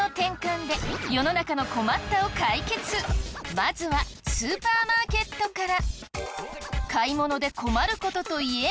まずはスーパーマーケットから！